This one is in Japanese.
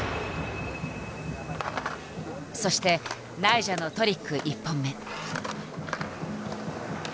そしてナイジャのトリック１本目。